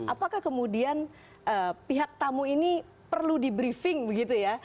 apakah kemudian pihak tamu ini perlu di briefing begitu ya